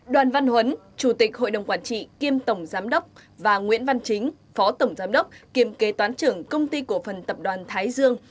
đoàn văn huấn chủ tịch hội đồng quản trị kiêm tổng giám đốc và nguyễn văn chính phó tổng giám đốc kiêm kế toán trưởng công ty cổ phần tập đoàn thái dương